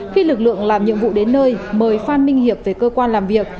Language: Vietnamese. khi lực lượng làm nhiệm vụ đến nơi mời phan minh hiệp về cơ quan làm việc